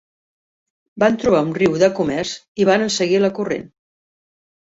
Van trobar un riu de comerç, i varen seguir la corrent.